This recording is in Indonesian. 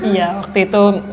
iya waktu itu